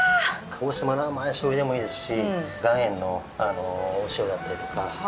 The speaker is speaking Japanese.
鹿児島の甘い醤油でもいいですし岩塩のお塩だったりとか。